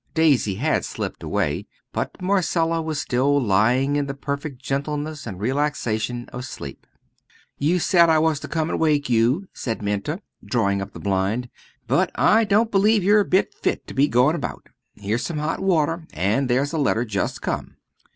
Daisy had slipped away, but Marcella was still lying in the perfect gentleness and relaxation of sleep. "You said I was to come and wake you," said Minta, drawing up the blind; "but I don't believe you're a bit fit to be going about. Here's some hot water, and there's a letter just come."